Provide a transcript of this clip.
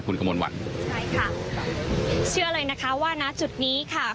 คุณกระมวลวันใช่ค่ะเชื่อเลยนะคะว่าณจุดนี้ค่ะ